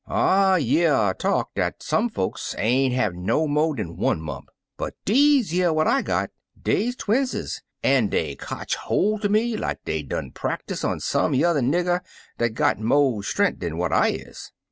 I year talk dat some folks ain't have no mo' dan one mump, but deze yere what I got, deyer twinses, an' dey cotch holt er me like dey done bin practus on some jmther nigger dat got mo' strenk dan what I is.